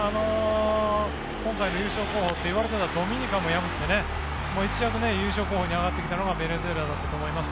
今回の優勝候補といわれていたドミニカも破って一躍優勝候補に上がってきたのがベネズエラだと思います。